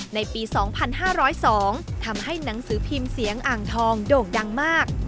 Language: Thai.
ในปี๒๕๐๒ทำให้หนังสือพิมพ์เสียงอ่างทองโด่งดังมาก